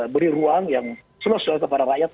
beri ruang yang selosional kepada rakyat